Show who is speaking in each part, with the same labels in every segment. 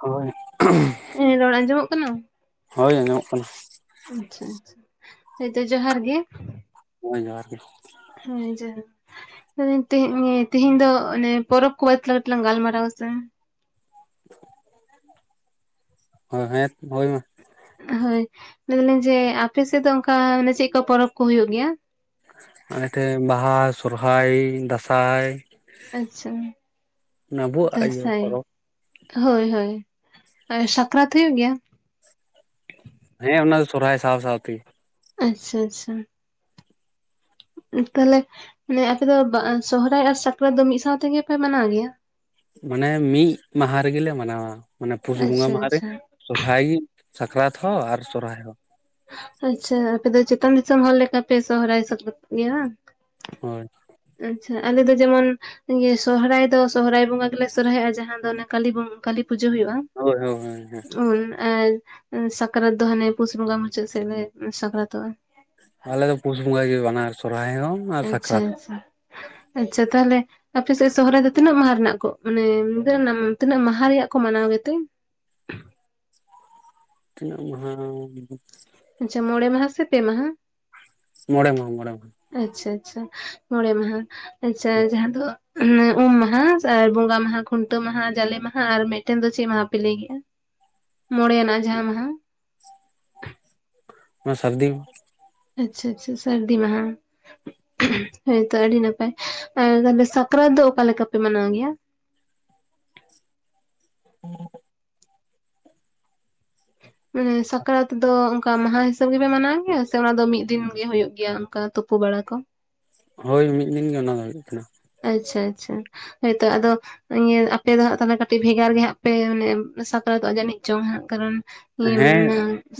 Speaker 1: ᱦᱳᱭ
Speaker 2: ᱨᱚᱲ ᱟᱸᱡᱚᱢᱚᱜ ᱠᱟᱱᱟ?
Speaker 1: ᱦᱳᱭ ᱟᱸᱡᱚᱢᱚᱜ ᱠᱟᱱᱟ ᱾
Speaker 2: ᱟᱪᱪᱷᱟ ᱟᱪᱪᱷᱟ ᱦᱚᱭᱛᱚ ᱡᱚᱦᱟᱨ ᱜᱮ
Speaker 1: ᱦᱳᱭ ᱡᱚᱦᱟᱨ ᱜᱮ
Speaker 2: ᱦᱳᱭ ᱡᱚᱦᱟᱨ ᱜᱮ ᱛᱮᱦᱤᱧ ᱫᱚ ᱮ ᱯᱚᱨᱚᱵᱽ ᱠᱚ ᱵᱟᱨᱮ ᱛᱮᱞᱟᱝ ᱜᱟᱞᱢᱟᱨᱟᱣᱟ ᱦᱮᱥᱮ
Speaker 1: ᱦᱮᱸ ᱦᱳᱭ ᱢᱟ
Speaker 2: ᱦᱳᱭ ᱞᱟᱹᱭ ᱫᱟᱞᱤᱧ ᱡᱮ ᱟᱯᱮᱥᱮᱫ ᱫᱚ ᱚᱱᱠᱟ ᱢᱟᱱᱮ ᱪᱮᱫ ᱠᱚ ᱯᱚᱨᱚᱵᱽ ᱠᱚ ᱦᱩᱭᱩᱜ ᱜᱮᱭᱟ
Speaker 1: ᱚᱱᱟ ᱛᱮ ᱵᱟᱦᱟ ᱥᱚᱨᱦᱟᱭ ᱫᱟᱸᱥᱟᱭ
Speaker 2: ᱟᱪᱪᱷᱟ
Speaker 1: ᱟᱵᱚᱣᱟᱜ ᱤᱭᱟᱹ
Speaker 2: ᱫᱟᱸᱥᱟᱭ
Speaker 1: ᱯᱚᱨᱚᱵᱽ
Speaker 2: ᱦᱳᱭ ᱦᱳᱭ ᱥᱟᱠᱨᱟᱛ ᱦᱩᱭᱩᱜ ᱜᱮᱭᱟ?
Speaker 1: ᱦᱮᱸ ᱚᱱᱟ ᱫᱚ ᱥᱚᱨᱦᱟᱭ ᱥᱟᱶ ᱥᱟᱶᱛᱮ
Speaker 2: ᱟᱪᱪᱷᱟ ᱟᱪᱪᱷᱟ ᱛᱟᱦᱞᱮ ᱢᱟᱱᱮ ᱟᱯᱮ ᱫᱚ ᱥᱚᱦᱨᱟᱭ ᱟᱨ ᱥᱟᱠᱨᱟᱛ ᱫᱚ ᱢᱤᱫ ᱥᱟᱶ ᱛᱮᱜᱮ ᱯᱮ ᱢᱟᱱᱟᱣ ᱜᱮᱭᱟ?
Speaker 1: ᱢᱟᱱᱮ ᱢᱤᱫ ᱢᱟᱦᱟ ᱨᱮᱜᱮᱞᱮ ᱢᱟᱱᱟᱣᱟ ᱢᱟᱱᱮ ᱯᱩᱥ ᱵᱚᱸᱜᱟ
Speaker 2: ᱟᱪᱪᱷᱟ
Speaker 1: ᱢᱟᱦᱟ ᱨᱮ
Speaker 2: ᱟᱪᱪᱷᱟ
Speaker 1: ᱥᱚᱨᱦᱟᱭ ᱥᱟᱠᱨᱟᱛ ᱦᱚᱸ ᱟᱨ ᱥᱚᱨᱦᱟᱭ ᱦᱚᱸ
Speaker 2: ᱟᱪᱪᱷᱟ ᱟᱯᱮ ᱫᱚ ᱪᱮᱛᱟᱱ ᱫᱤᱥᱚᱢ ᱦᱚᱲ ᱞᱮᱠᱟ ᱯᱮ ᱥᱚᱦᱨᱟᱭ ᱥᱟᱠᱨᱟᱛ ᱜᱮᱭᱟ ᱵᱟᱝ
Speaker 1: ᱦᱳᱭ
Speaker 2: ᱟᱪᱪᱷᱟ ᱟᱞᱮ ᱫᱚ ᱡᱮᱢᱚᱱ ᱤᱭᱟᱹ ᱥᱚᱨᱦᱟᱭ ᱫᱚ ᱥᱚᱨᱦᱟᱭ ᱵᱚᱸᱜᱟ ᱜᱮᱞᱮ ᱥᱚᱨᱦᱟᱭᱚᱜᱼᱟ ᱾ ᱡᱟᱦᱟᱸ ᱫᱚ ᱠᱟᱞᱤ ᱵᱚᱜᱟ ᱠᱟᱹᱞᱤ ᱯᱩᱡᱟᱹ ᱦᱩᱭᱩᱜᱼᱟ
Speaker 1: ᱦᱳᱭ ᱦᱳᱭ ᱦᱳᱭ
Speaker 2: ᱾ ᱩ ᱟᱨ ᱥᱟᱠᱟᱛ ᱫᱚ ᱦᱟᱱᱮ ᱯᱩᱥ ᱵᱚᱸᱜᱟ ᱢᱩᱪᱟᱹᱫ ᱥᱮ ᱞᱮ ᱥᱟᱠᱨᱟᱛ
Speaker 1: ᱟᱞᱮ ᱫᱚ ᱯᱩᱥ ᱵᱚᱸᱜᱟ ᱜᱮ ᱵᱟᱱᱟᱨ ᱥᱚᱨᱦᱟᱭ ᱦᱚᱸ ᱟᱨ
Speaker 2: ᱟᱪᱪᱷᱟ
Speaker 1: ᱥᱟᱠᱨᱟᱛ ᱦᱚᱸ
Speaker 2: ᱟᱪᱪᱷᱟ ᱟᱪᱪᱷᱟ ᱛᱟᱦᱚᱞᱮ ᱟᱯᱮ ᱥᱮᱫ ᱥᱚᱦᱚᱨᱟᱭ ᱫᱚ ᱛᱤᱱᱟᱹᱜ ᱢᱟᱦᱟ ᱨᱮᱱᱟᱜ ᱠᱚ ᱢᱟᱱᱮ ᱛᱤᱱᱟᱹᱜ ᱢᱟᱦᱟ ᱨᱮᱭᱟᱜ ᱠᱚ ᱢᱟᱱᱟᱣ ᱜᱮᱛᱮ?
Speaker 1: ᱛᱤᱱᱟᱹᱜ ᱢᱟᱦᱟ
Speaker 2: ᱟᱪᱪᱷᱟ ᱢᱚᱬᱮ ᱢᱟᱦᱟ ᱥᱮ ᱯᱮ ᱢᱟᱦᱟ
Speaker 1: ᱢᱚᱬᱮ ᱢᱟᱦᱟ ᱢᱚᱬᱮ ᱢᱟᱦᱟ
Speaker 2: ᱟᱪᱪᱷᱟ ᱟᱪᱪᱷᱟ ᱢᱚᱬᱮ ᱢᱟᱦᱟ ᱟᱪᱪᱷᱟ ᱡᱟᱦᱟᱸ ᱫᱚ ᱩᱢ ᱢᱟᱦᱟ ᱟᱨ ᱵᱚᱸᱜᱟ ᱢᱟᱦᱟ ᱠᱷᱩᱱᱴᱟᱹ ᱢᱟᱦᱟ ᱡᱟᱞᱮ ᱢᱟᱦᱟ ᱟᱨ ᱢᱤᱫᱴᱮᱱ ᱫᱚ ᱪᱮᱫ ᱢᱟᱦᱟ ᱯᱮ ᱞᱟᱹᱭ ᱜᱮᱭᱟ ᱢᱚᱬᱮ ᱭᱟᱱᱟᱜ ᱡᱟᱦᱟᱸ ᱢᱟᱦᱟ
Speaker 1: ᱚᱱᱟ ᱥᱟᱨᱫᱤ
Speaker 2: ᱟᱪᱪᱷᱟ ᱟᱪᱪᱷᱟ ᱥᱟᱹᱨᱫᱤ ᱢᱟᱦᱟ ᱦᱳᱭ ᱛᱚ ᱟᱹᱰᱤ ᱱᱟᱯᱟᱭ ᱟᱨ ᱛᱟᱦᱞᱮ ᱥᱟᱠᱨᱟᱛ ᱫᱚ ᱚᱠᱟ ᱞᱮᱠᱟ ᱯᱮ ᱢᱟᱱᱟᱣ ᱜᱮᱭᱟ
Speaker 1: ᱦᱮᱸ [inaudible]
Speaker 2: ᱢᱟᱱᱮ ᱥᱟᱠᱨᱟᱛ ᱫᱚ ᱚᱱᱠᱟ ᱢᱟᱦᱟ ᱦᱤᱥᱟᱹᱵ ᱜᱮᱯᱮ ᱢᱟᱱᱟᱣ ᱜᱮᱭᱟ ᱥᱮ ᱚᱱᱟ ᱫᱚ ᱢᱤᱫ ᱫᱤᱱ ᱜᱮ ᱦᱳᱭᱳᱜ ᱜᱮᱭᱟ ᱚᱱᱠᱟ ᱛᱩᱯ ᱯᱩ ᱵᱟᱲᱟ ᱠᱚ
Speaker 1: ᱦᱳᱭ ᱢᱤᱫ ᱫᱤᱱ ᱜᱮ ᱚᱱᱟ ᱫᱚ ᱦᱩᱭᱩᱜ ᱛᱟᱦᱮᱱᱟ
Speaker 2: ᱟᱪᱪᱷᱟ ᱟᱪᱪᱷᱟ ᱦᱳᱭ ᱛᱚ ᱟᱫᱚ ᱤᱭᱟᱹ ᱟᱯᱮ ᱫᱚ ᱦᱟᱸᱜ ᱛᱟᱦᱚᱞᱮ ᱠᱟᱹᱴᱤᱡ ᱵᱷᱮᱜᱟᱨ ᱜᱮ ᱦᱟᱸᱜ ᱯᱮ ᱢᱟᱱᱮ ᱥᱟᱠᱨᱟᱛᱚᱜ-ᱟ ᱡᱟᱹᱱᱤᱡ ᱪᱚᱝ ᱦᱟᱸᱜ ᱠᱟᱨᱚᱱ ᱤᱭᱟᱹ
Speaker 1: ᱦᱮᱸ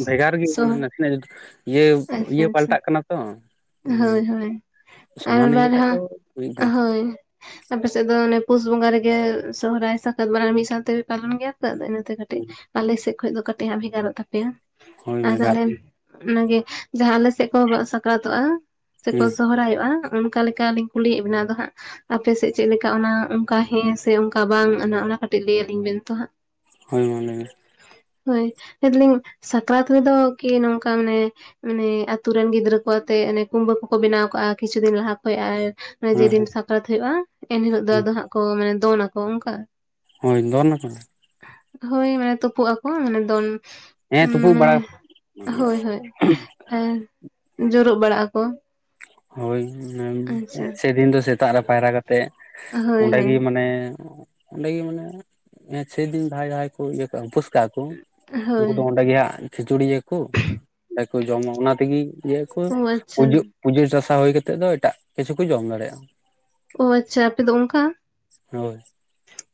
Speaker 1: ᱵᱷᱮᱜᱟᱨ ᱜᱮ
Speaker 2: ᱥᱚ
Speaker 1: ᱱᱟᱥᱮᱱᱟᱜ ᱤᱭᱟᱹ
Speaker 2: ᱟᱪᱪᱷᱟ
Speaker 1: ᱤᱭᱟᱹ
Speaker 2: ᱟᱪᱪᱷᱟ
Speaker 1: ᱯᱟᱞᱴᱟᱜ ᱠᱟᱱᱟ ᱛᱚ ᱢᱟᱱᱮ
Speaker 2: ᱦᱳᱭ ᱦᱳᱭ
Speaker 1: ᱥᱚᱢᱟᱱ
Speaker 2: ᱟᱨ
Speaker 1: ᱤᱭᱟᱹ
Speaker 2: ᱵᱟᱨ
Speaker 1: ᱠᱷᱟᱡ ᱫᱚ
Speaker 2: ᱨᱮᱦᱚ
Speaker 1: ᱦᱩᱭᱩᱜ ᱜᱮᱭᱟ
Speaker 2: ᱦᱳᱭ ᱟᱯᱮᱥᱮᱫ ᱫᱚ ᱚᱱᱮ ᱯᱩᱥ ᱵᱚᱸᱜᱟ ᱨᱮᱜᱮ ᱥᱚᱦᱚᱨᱟᱭ ᱥᱟᱠᱨᱟᱛ ᱵᱟᱱᱟᱨ ᱢᱤᱫ ᱥᱟᱶᱛᱮᱯᱮ ᱯᱟᱞᱚᱱ ᱜᱮᱭᱟ ᱤᱱᱟᱹ ᱛᱮ ᱠᱟᱹᱴᱤᱡ ᱟᱞᱮ ᱥᱮᱫ ᱠᱷᱚᱱ ᱫᱚ ᱠᱟᱹᱴᱤᱡ ᱦᱟᱸ ᱵᱷᱮᱜᱟᱨᱚᱜ ᱛᱟᱯᱮᱭᱟ
Speaker 1: ᱦᱳᱭ
Speaker 2: ᱟᱨ
Speaker 1: ᱵᱷᱮᱜᱟᱨ
Speaker 2: ᱛᱟᱦᱚᱞᱮ ᱚᱱᱟ ᱜᱮ ᱡᱟᱦᱟᱸ ᱟᱞᱮᱥᱮᱫ ᱠᱚ ᱥᱟᱠᱨᱟᱛᱚᱜ-ᱟ ᱥᱮᱠᱚ
Speaker 1: ᱦᱮᱸ
Speaker 2: ᱥᱚᱦᱨᱟᱭᱚᱜ-ᱟ ᱚᱠᱟ ᱞᱮᱠᱟᱞᱤᱧ ᱠᱩᱞᱤᱭᱮᱫ ᱵᱮᱱᱟ ᱟᱫᱚ ᱦᱟᱸᱜ ᱟᱯᱮ ᱥᱮᱫ ᱪᱮᱫᱞᱮᱠᱟ ᱚᱱᱟ ᱚᱱᱠᱟ ᱦᱮᱸ ᱥᱮ ᱚᱱᱠᱟ ᱵᱟᱝ ᱚᱱᱟ ᱚᱱᱟ ᱠᱟᱹᱴᱤᱡ ᱞᱟᱹᱭ ᱟᱹᱞᱤᱧ ᱵᱮᱱ ᱛᱚ ᱦᱟᱸᱜ
Speaker 1: ᱦᱳᱭ ᱢᱟ ᱞᱟᱹᱭ ᱢᱮ
Speaker 2: ᱦᱳᱭ ᱞᱟᱹᱭ ᱫᱟᱞᱤᱧ ᱥᱟᱠᱨᱟᱛ ᱨᱮᱫᱚ ᱠᱤ ᱱᱚᱝᱠᱟ ᱢᱟᱱᱮ ᱢᱟᱱᱮ ᱟᱛᱩ ᱨᱮᱱ ᱜᱤᱫᱽᱨᱟᱹ ᱠᱚᱣᱟᱛᱮᱫ ᱠᱩᱢᱵᱟᱹ ᱠᱚᱠᱚ ᱵᱮᱱᱟᱣ ᱠᱟᱜ-ᱟ ᱠᱤᱪᱷᱩ ᱫᱤᱱ ᱞᱟᱦᱟ ᱠᱷᱚᱡ ᱟᱨ
Speaker 1: ᱦᱮᱸ
Speaker 2: ᱡᱮᱫᱤᱱ ᱥᱟ ᱠᱨᱟᱛ ᱦᱩᱭᱩᱜ-ᱟ ᱮᱱᱦᱤᱞᱳᱜ ᱫᱚ
Speaker 1: ᱦᱮᱸ
Speaker 2: ᱟᱫᱚ ᱦᱟᱸᱜ ᱠᱚ ᱢᱟᱱᱮ ᱫᱚᱱᱟᱠᱚ ᱚᱱᱠᱟ
Speaker 1: ᱦᱳᱭ ᱫᱚᱱᱟᱠᱚ
Speaker 2: ᱦᱳᱭ ᱢᱟᱱᱮ ᱛᱩᱯᱩᱜ ᱟᱠᱚ ᱢᱟᱱᱮ ᱫᱚᱱ
Speaker 1: ᱦᱮᱸ ᱛᱩᱯᱩᱜ ᱵᱟᱲᱟ [unintelligible]
Speaker 2: ᱦᱮᱸ ᱡᱩᱨᱩᱜ ᱵᱟᱲᱟᱜ ᱟᱠᱚ
Speaker 1: ᱦᱳᱭ,
Speaker 2: ᱟᱪᱪᱷᱟ
Speaker 1: ᱥᱮᱫᱤᱱ ᱫᱚ ᱥᱮᱛᱟᱜ ᱨᱮ ᱯᱟᱭᱨᱟ ᱠᱟᱛᱮᱫ
Speaker 2: ᱦᱳᱭ
Speaker 1: ᱚᱸᱰᱮᱜᱤ
Speaker 2: ᱦᱳᱭ
Speaker 1: ᱢᱟᱱᱮ ᱚᱸᱰᱮᱜᱤ ᱢᱟᱱᱮ ᱥᱮᱫᱤᱱ ᱡᱟᱦᱟᱸᱭ ᱡᱟᱦᱟᱸᱭ ᱠᱚ ᱤᱭᱟᱹ ᱠᱟᱜᱼᱟ ᱩᱯᱟᱹᱥ ᱠᱟᱜ-ᱟᱠᱩ ᱩᱱᱠᱩ ᱫᱚ
Speaker 2: ᱦᱳᱭ
Speaker 1: ᱚᱸᱰᱮ ᱜᱮ ᱦᱟᱸᱜ ᱠᱷᱤᱪᱩᱲᱤᱭᱟᱹ ᱠᱩ, ᱟᱨᱠᱩ ᱡᱚᱢᱟ ᱚᱱᱟ ᱛᱮᱜᱮ ᱤᱭᱟᱹ ᱠᱚ
Speaker 2: ᱚ ᱟᱪᱪᱷᱟ
Speaker 1: ᱯᱩᱡᱟᱹᱜ ᱯᱩᱡᱟᱹ ᱥᱟᱥᱟ ᱦᱩᱭ ᱠᱟᱛᱮᱫ ᱫᱚ ᱮᱴᱟᱜ ᱠᱤᱪᱷᱩ ᱠᱚ ᱡᱚᱢ ᱫᱟᱲᱮᱭᱟᱜ-ᱟ
Speaker 2: ᱚ ᱟᱪᱪᱷᱟ ᱟᱯᱮ ᱫᱚ ᱚᱱᱠᱟ
Speaker 1: ᱦᱳᱭ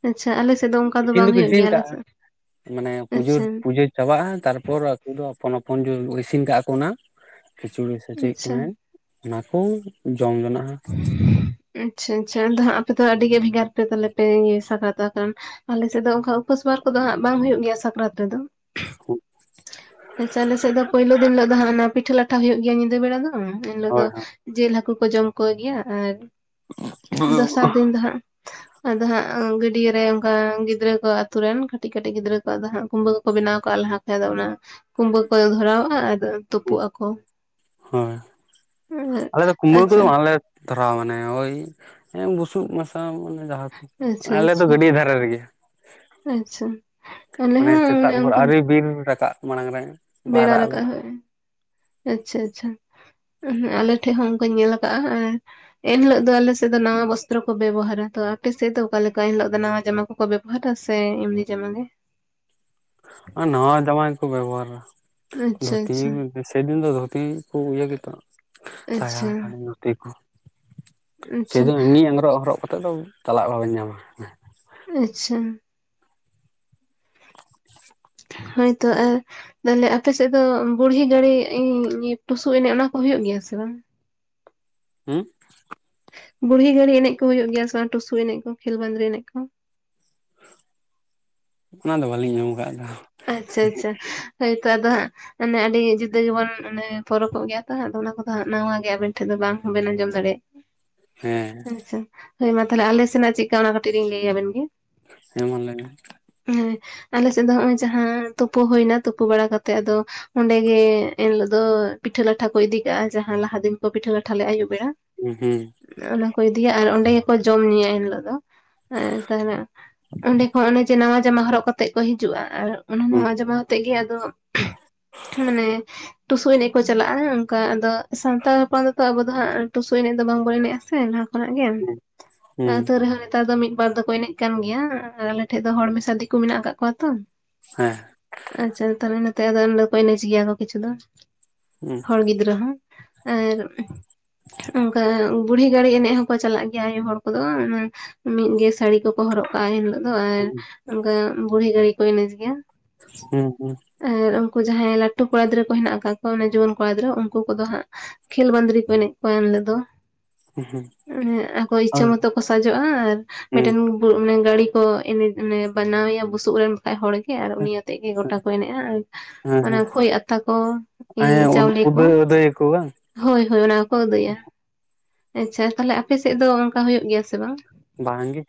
Speaker 2: ᱟᱪᱪᱷᱟ ᱟᱞᱮ ᱥᱮᱫ ᱫᱚ ᱚᱱᱠᱟ ᱫᱚ
Speaker 1: ᱤᱥᱤᱱ
Speaker 2: ᱵᱟᱝ
Speaker 1: ᱫᱚᱠᱚ
Speaker 2: ᱦᱩᱭᱩᱜ
Speaker 1: ᱤᱥᱤᱱ
Speaker 2: ᱜᱮᱭᱟ ᱟᱞᱮ
Speaker 1: ᱠᱟᱜᱼᱟ
Speaker 2: ᱥᱮᱫ, ᱟᱪᱪᱷᱟ
Speaker 1: ᱪᱟᱵᱟᱜ-ᱟ ᱛᱟᱨᱯᱚᱨ ᱟᱠᱩ ᱫᱚ ᱟᱯᱚᱱ ᱟᱯᱚᱱ ᱤᱥᱤᱱ ᱠᱟᱜᱚ ᱚᱱᱟ ᱠᱷᱤᱪᱩᱲᱤ ᱥᱮ ᱪᱮᱫ ᱠᱚ
Speaker 2: ᱟᱪᱪᱷᱟ
Speaker 1: ᱢᱮᱱ ᱚᱱᱟ ᱠᱚ ᱡᱚᱢ ᱡᱚᱱᱟᱜ-ᱟ
Speaker 2: ᱟᱪᱪᱷᱟ ᱟᱪᱪᱷᱟ ᱟᱫᱚ ᱦᱟᱸᱜ ᱟᱯᱮ ᱫᱚ ᱟᱹᱰᱤ ᱜᱮ ᱵᱷᱮᱜᱟᱨ ᱯᱮ ᱛᱟᱦᱞᱮ ᱯᱮ ᱤᱭᱟᱹ ᱥᱟᱠᱨᱟᱛ ᱚᱜ ᱠᱟᱨᱚᱱ ᱟᱞᱮ ᱥᱮᱫ ᱫᱚ ᱚᱱᱠᱟ ᱩᱯᱟᱹᱥ ᱵᱟᱨ ᱠᱚᱫᱚ ᱦᱟᱜ ᱵᱟᱝ ᱦᱩᱭᱩᱜ ᱜᱮᱭᱟ ᱥᱟᱠᱨᱟᱛ ᱨᱮᱫᱚ
Speaker 1: ᱦᱳᱭ
Speaker 2: ᱟᱪᱪᱷᱟ ᱟᱞᱮ ᱥᱮᱫ ᱫᱚ ᱯᱳᱭᱞᱳ ᱫᱤᱱ ᱦᱤᱞᱳᱜ ᱫᱚ ᱦᱟᱸᱜ ᱚᱱᱟ ᱯᱤᱴᱷᱟᱹ ᱞᱟᱴᱷᱟ ᱦᱩᱭᱩᱜ ᱜᱮᱭᱟ ᱧᱤᱫᱟᱹ ᱵᱮᱲᱟ ᱫᱚ ᱮᱱ ᱦᱤᱞᱚᱜᱫᱚ
Speaker 1: ᱦᱳᱭ
Speaker 2: ᱡᱤᱞ ᱦᱟᱹᱠᱩ ᱠᱚ ᱡᱚᱢ ᱠᱚ ᱜᱮᱭᱟ ᱟᱨ ᱫᱚᱥᱟᱨ ᱫᱤᱱ ᱫᱚ ᱦᱟᱸᱜ ᱟᱫᱚ ᱦᱟᱸᱜ ᱜᱟᱹᱰᱭᱟᱹ ᱨᱮ ᱚᱱᱠᱟ ᱜᱤᱫᱽᱨᱟᱹ ᱠᱚ ᱟᱛᱩ ᱨᱮᱱ ᱠᱟᱹᱴᱤᱡ ᱠᱟᱹᱴᱤᱡ ᱜᱤᱫᱽᱨᱟᱹ ᱠᱚ ᱟᱫᱚ ᱦᱟᱸᱜ ᱠᱩᱢᱵᱟᱹ ᱠᱚ ᱵᱮᱱᱟᱣ ᱠᱟᱜ-ᱟ ᱞᱟᱦᱟ ᱠᱷᱚᱡ ᱟᱫᱚ ᱚᱱᱟ ᱠᱩᱢᱵᱟᱹ ᱠᱚ ᱫᱷᱚᱨᱟᱣᱟᱜ-ᱟ ᱟᱫᱚ ᱛᱩᱯᱩ ᱟᱠᱚ,
Speaker 1: ᱦᱳᱭ
Speaker 2: ᱟᱪᱪᱷᱟ
Speaker 1: ᱫᱚᱨᱟᱣ ᱢᱟᱱᱮ ᱳᱭ ᱵᱩᱥᱩᱵ ᱢᱮᱥᱟ ᱡᱟᱦᱟᱸ ᱠᱚ,
Speaker 2: ᱟᱪᱪᱷᱟ
Speaker 1: ᱟᱞᱮ ᱫᱚ
Speaker 2: ᱟᱪᱪᱷᱟ
Speaker 1: ᱜᱟᱹᱰᱭᱟᱹ ᱫᱷᱟ ᱨᱮ ᱨᱤᱜᱤ,
Speaker 2: ᱟᱪᱪᱷᱟ ᱟᱞᱮ
Speaker 1: ᱢᱟᱱᱮ
Speaker 2: ᱦᱚᱸ
Speaker 1: ᱥᱮᱛᱟᱜ
Speaker 2: ᱚᱱᱮ
Speaker 1: ᱵᱷᱳᱨ
Speaker 2: ᱚᱱᱠᱟ
Speaker 1: ᱟᱣᱨᱤ ᱵᱤᱨ ᱨᱟᱠᱟᱵ ᱢᱟᱲᱟᱝ ᱨᱮ
Speaker 2: ᱵᱮᱲᱟ
Speaker 1: ᱯᱟᱭᱨᱟᱜ ᱟᱞᱮ
Speaker 2: ᱨᱟᱠᱟᱵ‌ᱦᱳᱭ, ᱟᱪᱪᱷᱟ ᱟᱪᱪᱷᱟ ᱟᱞᱮ ᱴᱷᱮᱡ ᱦᱚᱸ ᱚᱱᱠᱟᱧ ᱧᱮᱞ ᱟᱠᱟᱜᱼᱟ ᱮᱱ ᱦᱤᱞᱳᱜ ᱫᱚ ᱟᱞᱮᱥᱮᱫ ᱫᱚ ᱱᱟᱣᱟ ᱵᱚᱥᱛᱨᱚ ᱠᱚ ᱵᱮᱵᱚᱦᱟᱨᱟ ᱛᱚ ᱟᱯᱮ ᱥᱮᱫ ᱫᱚ ᱚᱠᱟ ᱞᱮᱠᱟ ᱮᱱ ᱦᱤᱞᱳᱜ ᱫᱚ ᱱᱟᱣᱟ ᱡᱟᱢᱟ ᱠᱚ ᱠᱚ ᱵᱮᱵᱚᱦᱟᱨᱟ ᱥᱮ ᱮᱢᱤ ᱡᱟᱢᱟ ᱜᱮ
Speaker 1: ᱱᱟᱣᱟ ᱡᱟᱢᱟ ᱜᱮ ᱠᱚ ᱵᱮᱵᱚᱦᱟᱨᱟ
Speaker 2: ᱟᱪᱪᱷᱟ
Speaker 1: ᱫᱷᱳᱛᱤ
Speaker 2: ᱟᱪᱪᱷᱟ
Speaker 1: ᱥᱮᱫᱤᱱ ᱫᱚ ᱫᱷᱳᱛᱤ ᱠᱚ ᱤᱭᱟᱹ ᱜᱮ ᱛᱚ ᱥᱟᱭᱟ,
Speaker 2: ᱟᱪᱪᱷᱟ
Speaker 1: ᱫᱟᱲᱤ, ᱫᱷᱩᱛᱤ ᱠᱚ,
Speaker 2: ᱟᱪᱪᱷᱟ
Speaker 1: ᱥᱮᱫᱤᱱ ᱮᱢᱱᱤ ᱟᱸᱜᱽᱨᱚᱜ ᱦᱚᱨᱚᱜ ᱠᱟ ᱛᱮ ᱫᱚ ᱪᱟᱞᱟᱜ ᱵᱟᱵᱮᱧ ᱧᱟᱢᱟ
Speaker 2: ᱟᱪᱪᱷᱟ ᱦᱚᱭᱛᱚ ᱟᱨ ᱛᱟᱦᱚᱞᱮ ᱟᱯᱮ ᱥᱮᱫ ᱫᱚ ᱵᱩᱲᱦᱤ ᱜᱟᱹᱲᱤ ᱴᱩᱥᱩ ᱮᱱᱮᱡ ᱚᱱᱟ ᱠᱚ ᱦᱩᱭᱩᱜ ᱜᱮᱭᱟ ᱥᱮ ᱵᱟᱝ
Speaker 1: ᱦᱩᱸ
Speaker 2: ᱵᱩᱲᱦᱤ ᱜᱟᱸᱲᱤ ᱮᱱᱮᱡ ᱠᱚ ᱦᱩᱭᱩᱜ ᱜᱮᱭᱟ ᱥᱮ ᱵᱟᱝ ᱴᱩᱥᱩ ᱮᱱᱮᱡ ᱠᱚ ᱠᱷᱮᱞ ᱵᱟᱸᱫᱽᱨᱤ ᱮᱱᱮᱡ ᱠᱚ
Speaker 1: ᱚᱱᱟ ᱫᱚ ᱵᱟᱹᱞᱤᱧ ᱟᱸᱡᱚᱢ ᱟᱠᱟᱜ ᱫᱚ
Speaker 2: ᱟᱪᱪᱷᱟ ᱟᱪᱪᱷᱟ ᱦᱚᱭᱛᱚ ᱟᱫᱚ ᱦᱟᱸᱜ ᱢᱟᱱᱮ ᱟᱹᱰᱤ ᱡᱩᱫᱟᱹ ᱜᱮᱵᱚᱱ ᱢᱟᱱᱮ ᱯᱚᱨᱚᱵᱚᱜ ᱜᱮᱭᱟ ᱛᱚ ᱚᱱᱟ ᱠᱚᱫᱚ ᱦᱟᱸᱜ ᱱᱟᱣᱟᱜ ᱜᱮ ᱟᱵᱮᱱ ᱴᱷᱮᱱ ᱫᱚ ᱵᱟᱝ ᱦᱚᱸᱵᱮᱱ ᱟᱸᱡᱚᱢ
Speaker 1: ᱦᱮᱸ
Speaker 2: ᱫᱟᱲᱮᱭᱟᱜᱼᱟ ᱟᱪᱪᱷᱟ, ᱦᱳᱭᱢᱟ ᱛᱟᱦᱞᱮ ᱟᱞᱮ ᱥᱮᱱᱟᱜ ᱪᱮᱫᱠᱟ ᱚᱱᱟ ᱠᱟᱹᱴᱤᱡ ᱞᱤᱧ ᱞᱟᱹᱭ ᱟᱵᱮᱱ ᱜᱮ
Speaker 1: ᱦᱮᱸ ᱢᱟ ᱞᱟᱹᱭ ᱢᱮ
Speaker 2: ᱦᱮᱸ ᱟᱞᱮ ᱥᱮᱫ ᱫᱚ ᱱᱚᱜᱼᱚᱭ ᱡᱟᱦᱟᱸ ᱛᱩᱯᱩ ᱦᱩᱭ ᱱᱟ ᱛᱩᱯᱩ ᱵᱟᱲᱟ ᱠᱟᱛᱮᱜ ᱟᱫᱚ ᱚᱸᱰᱮ ᱜᱮ ᱮᱱ ᱦᱤᱞᱳᱜ ᱫᱚ ᱯᱤᱴᱷᱟᱹ ᱞᱟᱴᱷᱟ ᱠᱚ ᱤᱫᱤ ᱠᱟᱜᱼᱟ ᱡᱟᱦᱟᱸ ᱞᱟᱦᱟ ᱫᱤᱱ ᱠᱚ ᱯᱤᱴᱷᱟᱹ ᱞᱟᱴᱷᱟ ᱞᱮᱫ-ᱟ ᱟᱹᱭᱩᱵ ᱵᱮᱲᱟ᱾
Speaker 1: ᱦᱩᱸ ᱦᱩᱸ
Speaker 2: ᱚᱱᱟ ᱠᱚ ᱤᱫᱤᱭᱟ ᱟᱨ ᱚᱱᱰᱮ ᱜᱮᱠᱚ ᱡᱚᱢ ᱧᱩᱭᱟ ᱮᱱ ᱦᱤᱞᱟᱹᱜ ᱫᱚ ᱛᱟᱦᱞᱮ ᱚᱸᱰᱮ ᱠᱷᱚᱱ ᱚᱱᱮ ᱡᱮ ᱱᱟᱣᱟ ᱡᱟᱢᱟ ᱦᱚᱨᱚᱜ ᱠᱟᱛᱮᱜ ᱠᱚ ᱦᱤᱡᱩᱜᱼᱟ ᱟᱨ ᱚᱱᱟ
Speaker 1: ᱦᱩᱸ
Speaker 2: ᱱᱟᱶᱟ ᱡᱟᱢᱟ ᱟᱛᱮᱜ ᱜᱮ ᱟᱫᱚ ᱢᱟᱱᱮ ᱴᱩᱥᱩ ᱮᱱᱮᱡ ᱠᱚ ᱪᱟᱞᱟᱜᱼᱟ ᱚᱱᱠᱟ ᱟᱫᱚ ᱥᱟᱱᱛᱟᱲ ᱦᱚᱯᱚᱱ ᱫᱚ ᱛᱚ ᱟᱵᱚ ᱫᱚ ᱦᱟᱸᱜ ᱴᱩᱥᱩ ᱮᱱᱮᱡ ᱫᱚ ᱵᱟᱝᱵᱚᱱ ᱮᱱᱮᱡᱼᱟ ᱥᱮ ᱞᱟ ᱦᱟ ᱠᱷᱚᱱᱟᱜ ᱜᱮ
Speaker 1: ᱦᱩᱸ ᱦᱩᱸ
Speaker 2: ᱟᱛᱳ ᱨᱮᱦᱚᱸ ᱱᱮᱛᱟᱨ ᱫᱚ ᱢᱤᱫ ᱵᱟᱨ ᱫᱚᱠᱚ ᱮᱱᱮᱡ ᱠᱟᱱ ᱜᱮᱭᱟ ᱟᱨ ᱟᱞᱮ ᱴᱷᱮᱡ ᱫᱚ ᱦᱚᱲ ᱢᱮᱥᱟ ᱫᱤᱠᱩ ᱢᱮᱱᱟᱜ ᱟᱠᱟᱫ ᱠᱚᱣᱟ ᱛᱚ
Speaker 1: [unintelligible]
Speaker 2: ᱟᱪᱪᱷᱟ ᱛᱟᱦᱚᱞᱮ ᱱᱚᱛᱮ ᱟᱫᱚ ᱮᱱᱦᱤᱞᱳᱜ ᱠᱚ ᱮᱱᱮᱡ ᱜᱮᱭᱟ ᱠᱚ ᱠᱤᱪᱷᱩ ᱫᱚ
Speaker 1: ᱦᱮᱸ
Speaker 2: ᱦᱚᱲ ᱜᱤᱫᱽᱨᱟᱹ ᱜᱤᱫᱽᱨᱟᱹ ᱦᱚᱸᱟᱨ ᱚᱱᱠᱟ ᱵᱩᱲᱦᱤ ᱜᱟᱹᱲᱤ ᱮᱱᱮᱡ ᱦᱚᱸᱠᱚ ᱪᱟᱞᱟᱜ ᱜᱮᱭᱟ ᱟᱭᱩ ᱦᱚᱲ ᱠᱚᱫᱚ ᱢᱤᱫ ᱜᱮ ᱥᱟᱹᱲᱤ ᱠᱚ ᱠᱚ ᱦᱚᱨᱚᱜ ᱠᱟᱜᱼᱟ ᱮᱱ ᱦᱤᱞᱚᱜ ᱫᱚ ᱟᱨ
Speaker 1: ᱦᱩᱸ
Speaker 2: ᱚᱱᱠᱟ ᱵᱩᱲᱦᱤ ᱜᱟᱹᱲᱤ ᱠᱚ ᱮᱱᱮᱡ ᱜᱮᱭᱟ
Speaker 1: ᱦᱩᱸ ᱦᱩᱸ
Speaker 2: ᱟᱨ ᱩᱱᱠᱩ ᱡᱟᱦᱟᱸᱭ ᱞᱟᱹᱴᱩ ᱠᱚᱲᱟ ᱜᱤᱫᱽᱟᱹ ᱠᱚ ᱦᱮᱱᱟᱜ ᱟᱠᱟᱫ ᱠᱚᱣᱟ ᱡᱩᱣᱟᱹᱱ ᱠᱚᱲᱟ ᱜᱤᱫᱽᱨᱟᱹ ᱩᱱᱠᱩ ᱠᱚᱫᱚ ᱦᱟᱸᱜ ᱠᱷᱮᱞ ᱵᱟᱸᱫᱽᱨᱤ ᱠᱚ ᱮᱱᱮᱡ ᱠᱚᱣᱟ ᱮᱱᱦᱤᱞᱳᱜ ᱫᱚ ᱾
Speaker 1: ᱦᱩᱸ ᱦᱩᱸ
Speaker 2: ᱟᱠᱚ ᱤᱪᱪᱷᱟᱹ
Speaker 1: ᱟᱨ
Speaker 2: ᱢᱚᱛᱚ ᱠᱚ ᱥᱟᱡᱚᱜᱼᱟ ᱟᱨ
Speaker 1: ᱦᱩᱸ
Speaker 2: ᱢᱤᱫᱴᱮᱱ ᱚᱱᱮ ᱜᱟᱸᱲᱤ ᱠᱚ ᱮᱱᱮᱡ ᱵᱟᱱᱟᱣᱮᱭᱟ ᱵᱩᱥᱩᱵ ᱨᱮᱱ ᱠᱷᱟᱡ ᱦᱚᱲ ᱜᱮ ᱟᱨ ᱩᱱᱤ ᱟᱛᱮᱜ ᱜᱮ ᱜᱚᱴᱟ ᱠᱚ ᱮᱱᱮᱡᱼᱟ ᱟᱨ
Speaker 1: ᱦᱮᱸ
Speaker 2: ᱚᱱᱟ
Speaker 1: ᱦᱮᱸ
Speaker 2: ᱠᱷᱳᱭ ᱟᱛᱟ ᱠᱚ
Speaker 1: ᱦᱮᱸ
Speaker 2: ᱪᱟᱣᱞᱮ ᱠᱚ
Speaker 1: ᱩᱫᱟᱹᱭ ᱩᱫᱟᱹᱭᱟᱠᱚ ᱵᱟᱝ
Speaker 2: ᱦᱚᱭ ᱦᱚᱭ ᱚᱱᱟ ᱠᱚ ᱠᱚ ᱟᱹᱫᱟᱹᱭᱟ ᱾ ᱟᱪᱪᱷᱟ ᱛᱟᱦᱚᱞᱮ ᱟᱯᱮ ᱥᱮᱫ ᱫᱚ ᱚᱱᱠᱟ ᱦᱳᱭᱳᱜ ᱜᱮᱭᱟ ᱥᱮ ᱵᱟᱝ?
Speaker 1: ᱵᱟᱝ ᱜᱮ